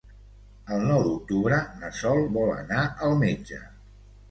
El nou d'octubre na Sol vol anar al metge.